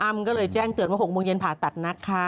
ก็เลยแจ้งเตือนว่า๖โมงเย็นผ่าตัดนะคะ